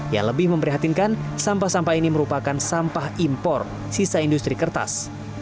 yang lebih memprihatinkan sampah sampah ini merupakan sampah impor sisa industri kertas